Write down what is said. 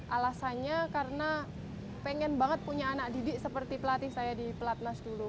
alasannya karena pengen banget punya anak didik seperti pelatih saya di pelatnas dulu